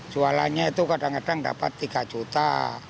jualannya itu kadang kadang dapat tiga juta